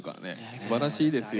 すばらしいですよ。